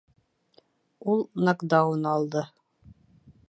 Ул нокдаун алды